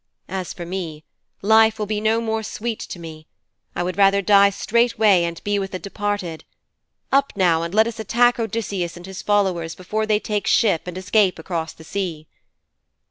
As for me, life will be no more sweet to me. I would rather die straightway and be with the departed. Up now, and let us attack Odysseus and his followers before they take ship and escape across the sea.'